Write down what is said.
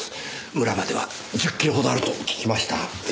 村までは１０キロほどあると聞きました。